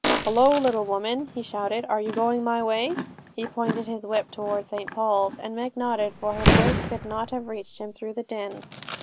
'Hullo, little woman!' he shouted. 'Are you going my way?' He pointed his whip towards St Paul's, and Meg nodded, for her voice could not have reached him through the din.